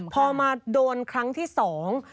พอมาโดนครั้งที่สอง